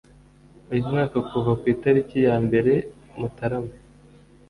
Uyu mwaka kuva ku itariki ya mbere mutarama